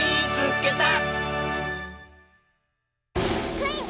クイズ